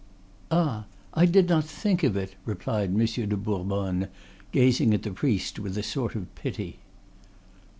"Ah! I did not think of it!" replied Monsieur de Bourbonne, gazing at the priest with a sort of pity.